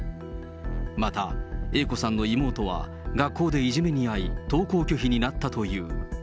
また、Ａ子さんの妹は学校でいじめに遭い、登校拒否になったという。